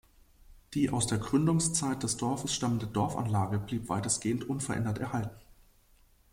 Die aus der Gründungszeit des Dorfes stammende Dorfanlage blieb weitestgehend unverändert erhalten.